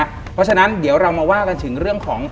เพราะฉะนั้นเดี๋ยวเรามาว่ากันถึงเรื่องของ